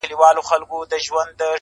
نن به ښکلي ستا په نوم سي ګودرونه!